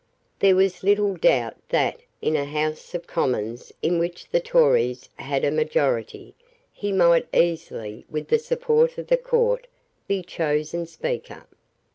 There was little doubt that, in a House of Commons in which the Tories had a majority, he might easily, with the support of the Court, be chosen Speaker.